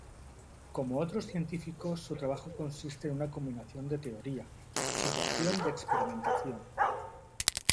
Como otros científicos su trabajo consiste en una combinación de teoría, observación y experimentación.